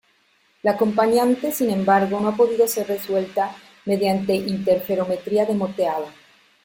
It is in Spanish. La acompañante, sin embargo, no ha podido ser resuelta mediante interferometría de moteado.